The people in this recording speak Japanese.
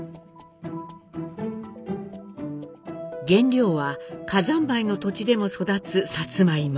原料は火山灰の土地でも育つさつまいも。